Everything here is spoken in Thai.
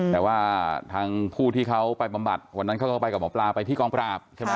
แต่ว่าทางผู้ที่เขาไปบำบัดวันนั้นเขาก็ไปกับหมอปลาไปที่กองปราบใช่ไหม